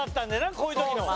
こういう時の。